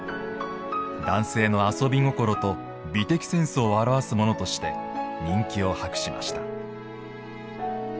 男性の遊び心と美的センスを表すものとして人気を博しました。